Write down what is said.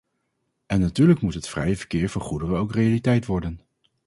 En natuurlijk moet het vrije verkeer van goederen ook realiteit worden.